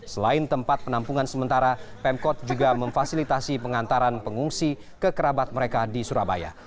selain tempat penampungan sementara pemkot juga memfasilitasi pengantaran pengungsi ke kerabat mereka di surabaya